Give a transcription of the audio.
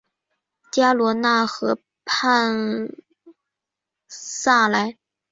加罗讷河畔萨莱。